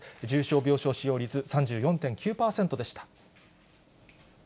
重症病床使用率、３４．９％でした。